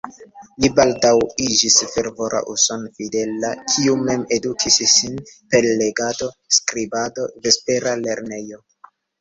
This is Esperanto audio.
Li baldaŭ iĝis fervora uson-fidela, kiu mem edukis sin per legado, skribado, vespera lernejo.